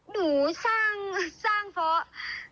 หนูสร้างเพราะ